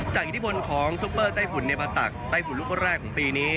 จากอินทิพลของซุปเปอร์ไต้ผุ่นในประตักไต้ผุ่นลูกวันแรกของปีนี้